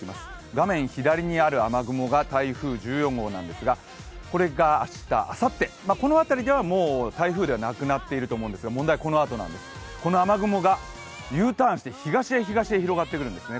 画面左にある雨雲が台風１４号なんですがこれが明日、あさって、このあたりではもう台風ではなくなっていると思うんですが問題はこのあとなんですこの雨雲がＵターンして東へ東へ上ってくるんですね